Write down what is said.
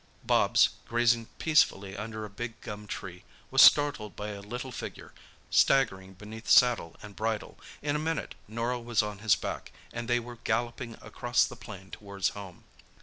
Bobs, grazing peacefully under a big gum tree, was startled by a little figure, staggering beneath saddle and bridle. In a minute Norah was on his back, and they were galloping across the plain towards home.